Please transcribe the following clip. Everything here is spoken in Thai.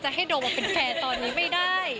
ให้โดมมาเป็นแฟนตอนนี้ไม่ได้